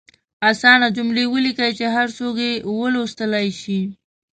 اسانه جملې ولیکئ چې هر څوک یې ولوستلئ شي.